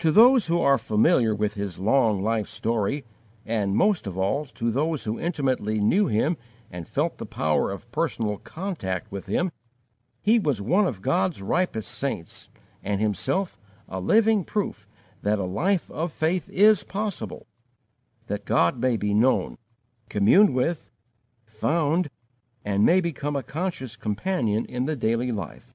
To those who are familiar with his long life story, and, most of all, to those who intimately knew him and felt the power of personal contact with him, he was one of God's ripest saints and himself a living proof that a life of faith is possible; that God may be known, communed with, found, and may become a conscious companion in the daily life.